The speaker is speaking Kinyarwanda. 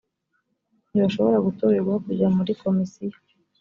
ntibashobora gutorerwa kujya muri komisiyo